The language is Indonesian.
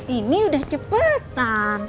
ini udah cepetan